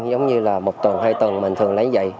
giống như là một tuần hai tuần mình thường lấy vậy